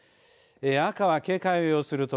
赤は警戒を要する所。